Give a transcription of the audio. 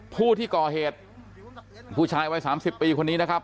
ผู้ที่ก่อเหตุผู้ชายวัย๓๐ปีคนนี้นะครับ